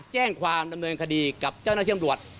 แจ้งความดำเนินคดีกับเจ้าหน้าที่อำรวจ